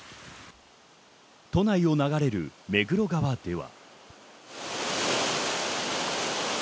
都内を流れる目黒川では。